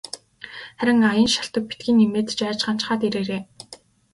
Харин аян шалтаг битгий нэмээд жайжганачхаад ирээрэй.